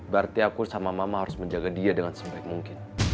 berarti aku sama mama harus menjaga dia dengan sebaik mungkin